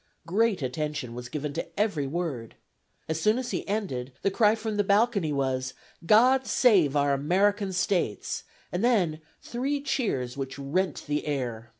Great attention was given to every word. As soon as he ended, the cry from the balcony was, 'God save our American States,' and then three cheers which rent the air.